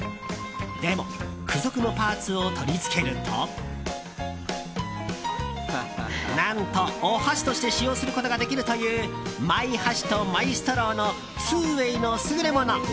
でも、付属のパーツを取り付けると何と、お箸として使用することができるというマイ箸とマイストローの２ｗａｙの優れもの。